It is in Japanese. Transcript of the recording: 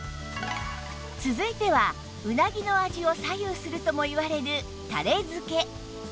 続いてはうなぎの味を左右するともいわれるたれ付け